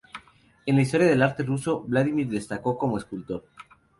En la historia del arte ruso, Vladimir destacó como escultor.